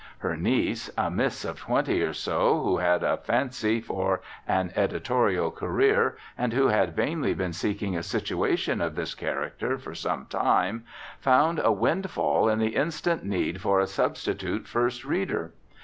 Her niece, a miss of twenty or so, who had a fancy for an editorial career and who had vainly been seeking a situation of this character for some time, found a windfall in the instant need for a substitute first reader.